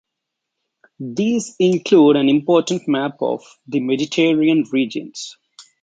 These include an important map of the Mediterranean regions.